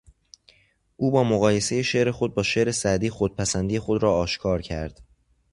او با مقایسهی شعر خود با شعر سعدی خودپسندی خود را آشکار کرد.